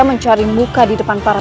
mencari muka di depan para